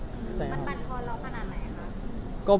มันปันทอนเราขนาดไหนครับ